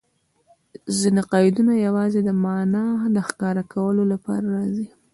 ځیني قیدونه یوازي د مانا د ښکاره کولو له پاره راځي.